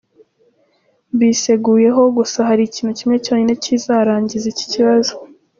Mbiseguyeho, gusa hari ikintu kimwe cyonyine kizarangiza iki kibazo.”